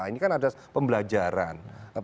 ini kan ada pembelajaran